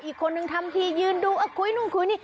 อีกคนนึงทำทียืนดูคุยนู่นคุยนี่